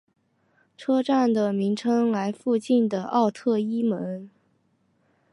车站的名称来附近的奥特伊门。